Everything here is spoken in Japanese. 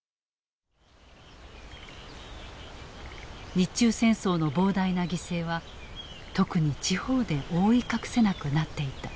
日中戦争の膨大な犠牲は特に地方で覆い隠せなくなっていた。